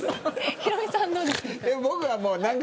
ヒロミさん、どうですか。